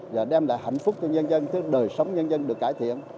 và đem lại hạnh phúc cho nhân dân thứ đời sống nhân dân được cải thiện